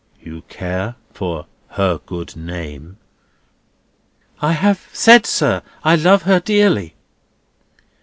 "You care for her good name?" "I have said, sir, I love her dearly."